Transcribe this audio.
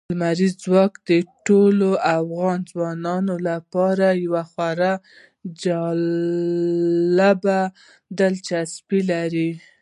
لمریز ځواک د ټولو افغان ځوانانو لپاره یوه خورا جالب دلچسپي لري.